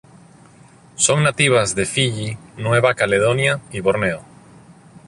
Son nativas de Fiyi, Nueva Caledonia y Borneo.